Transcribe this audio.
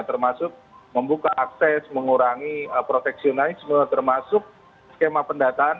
termasuk membuka akses mengurangi proteksionalisme termasuk skema pendataan